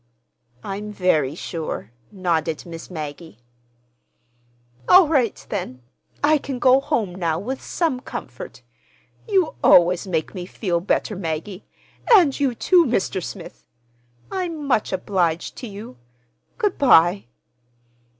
"I'm very sure," nodded Miss Maggie. "All right, then. I can go home now with some comfort. You always make me feel better, Maggie, and you, too, Mr. Smith. I'm much obliged to you. Good bye."